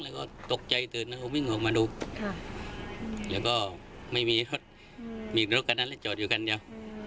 แล้วก็ตกใจตื่นแล้วก็วิ่งออกมาดูแล้วก็ไม่มีครับมีรถคันนั้นเลยจอดอยู่คันเดียว